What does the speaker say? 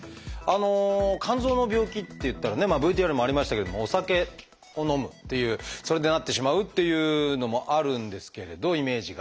肝臓の病気っていったらねＶＴＲにもありましたけれどもお酒を飲むっていうそれでなってしまうっていうのもあるんですけれどイメージが。